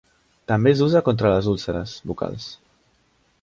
També s'usa contra úlceres bucals.